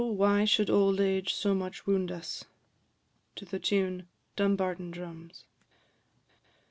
WHY SHOULD OLD AGE SO MUCH WOUND US? TUNE _"Dumbarton Drums."